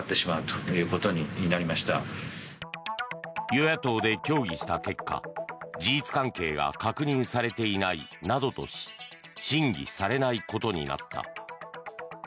与野党で協議した結果事実関係が確認されていないなどとし審議されないことになった。